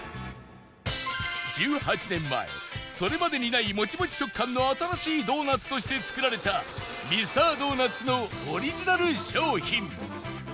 １８年前それまでにないモチモチ食感の新しいドーナツとして作られたミスタードーナツのオリジナル商品